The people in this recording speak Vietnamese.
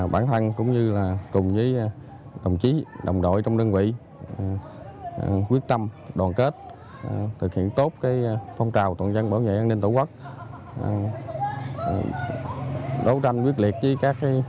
và công an viên thường trực